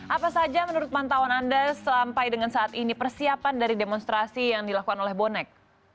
apa saja menurut pantauan anda sampai dengan saat ini persiapan dari demonstrasi yang dilakukan oleh bonek